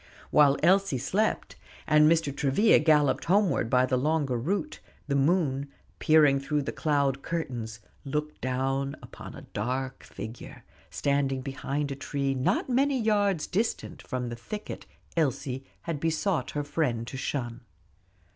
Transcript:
While Elsie slept, and Mr. Travilla galloped homeward by the longer route, the moon, peering through the cloud curtains, looked down upon a dark figure, standing behind a tree not many yards distant from the thicket Elsie had besought her friend to shun.